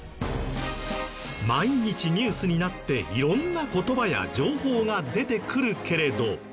毎日ニュースになって色んな言葉や情報が出てくるけれど。